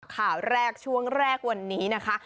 ข่าวแรกช่วงแรกวันนี้นะคะ